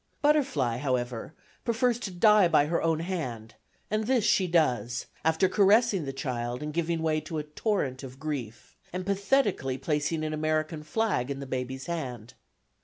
Butterfly, however, prefers to die by her own hand, and this she does, after caressing the child and giving way to a torrent of grief, and pathetically placing an American flag in the baby's hand.